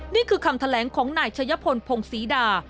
นี่คือคำแถลงของนายชะยพลพงศรีดา